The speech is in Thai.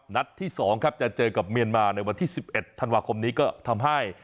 นัดที่๒ครับจะเจอกับเมียนมาในวันที่๑๑ธันวาคมนี้ก็ทำให้